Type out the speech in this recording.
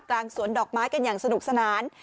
กลางสวนดอกไม้กันอย่างสนุกสนาน